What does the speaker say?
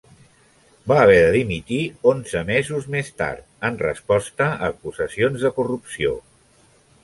Va haver de dimitir onze mesos més tard, en resposta a acusacions de corrupció.